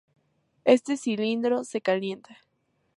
Este cilindro se calienta.